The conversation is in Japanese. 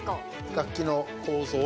楽器の構造